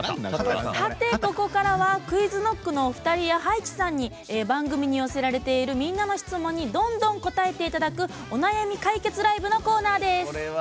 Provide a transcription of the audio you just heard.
さて、ここからはＱｕｉｚＫｎｏｃｋのお二人や葉一さんに番組に寄せられているみんなの質問にどんどん答えていただく「お悩み解決ＬＩＶＥ」のコーナーです。